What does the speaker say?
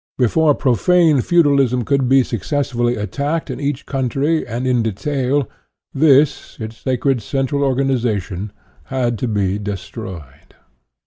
Before profane feudalism could be suc cessively attacked in each country and in detail, this, its sacred central organization, had to be destroyed.